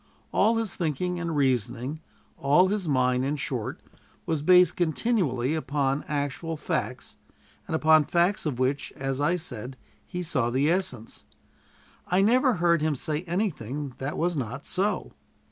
All his thinking and reasoning, all his mind, in short, was based continually upon actual facts, and upon facts of which, as I said, he saw the essence. I never heard him say anything that was not so.